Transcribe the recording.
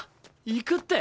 行くって。